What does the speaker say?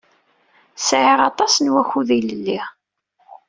Sɛiɣ aṭas n wakud ilelli.